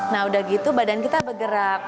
nah sudah begitu badan kita bergerak